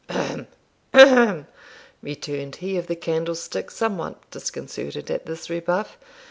'Hem! Ahem!' returned he of the Candlestick, somewhat disconcerted at this rebuff.